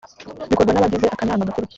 bikorwa nabagize akanama gakuru.